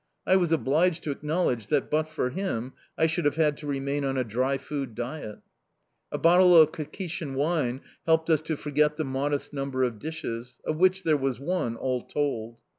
I was obliged to acknowledge that, but for him, I should have had to remain on a dry food diet. A bottle of Kakhetian wine helped us to forget the modest number of dishes of which there was one, all told.